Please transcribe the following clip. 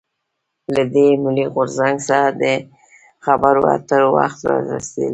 له دې «ملي غورځنګ» سره د خبرواترو وخت رارسېدلی.